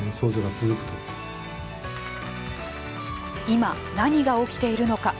今、何が起きているのか。